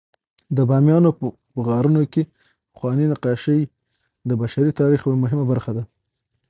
د بامیانو په غارونو کې پخواني نقاشۍ د بشري تاریخ یوه مهمه برخه ده.